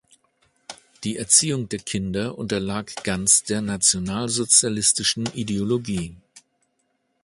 Die Erziehung der Kinder unterlag ganz der nationalsozialistischen Ideologie.